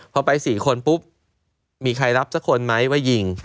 พอไป๔คนปุ๊บมีใครรับสักคนไหมว่ายิง